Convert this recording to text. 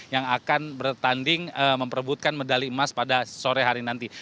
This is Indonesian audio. yang akan bertanding memperbutkan medali emas pada sore hari nanti